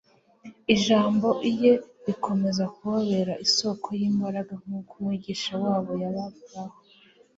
ijambo iye rizakomeze kubabera isoko y'imbaraga. Nk'uko Umwigisha wabo yabagaho,